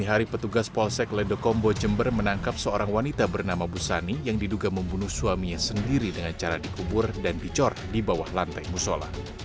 hari petugas polsek ledokombo jember menangkap seorang wanita bernama busani yang diduga membunuh suaminya sendiri dengan cara dikubur dan dicor di bawah lantai musola